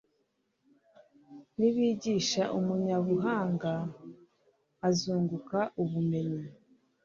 nibigisha umunyabuhanga, azunguka ubumenyi